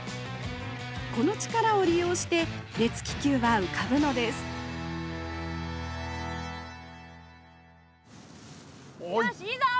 この力を利用して熱気球は浮かぶのですよしいいぞ！